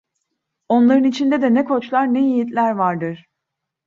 Onların içinde de ne koçlar, ne yiğitler vardır.